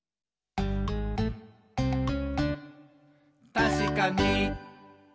「たしかに！」